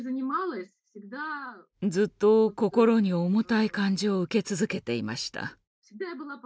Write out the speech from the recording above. ずっと心に重たい感じを受け続けていました。